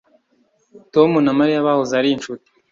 Tom na Mariya bahoze ari inshuti